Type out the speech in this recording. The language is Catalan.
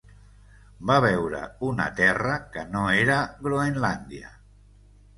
Va veure una terra que no era Groenlàndia.